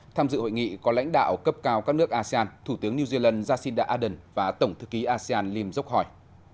tham dự hội nghị có lãnh đạo cấp cao các nước asean thủ tướng new zealand jacinda ardern và tổng thư ký asean lim dốc hỏi